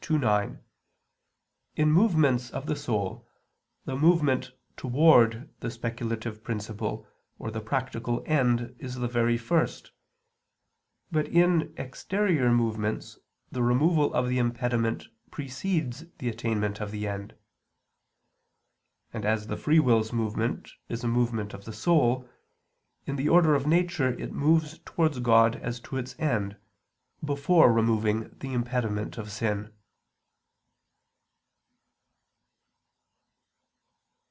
ii, 9), in movements of the soul the movement toward the speculative principle or the practical end is the very first, but in exterior movements the removal of the impediment precedes the attainment of the end. And as the free will's movement is a movement of the soul, in the order of nature it moves towards God as to its end, before removing the impediment of sin.